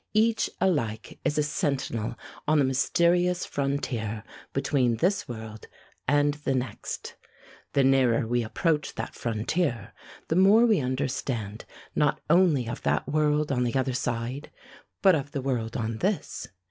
Each alike is a sentinel on the mysterious frontier between this world and the next. The nearer we approach that frontier, the more we understand not only of that world on the other side, but of the world on this.